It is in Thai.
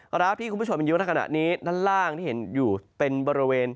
กราฟที่คุณผู้ชมเห็นอยู่ในขณะนี้ด้านล่างที่เห็นอยู่เป็นบริเวณ